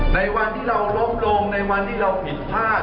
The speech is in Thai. ในวันที่เราล้มลงในวันที่เราผิดพลาด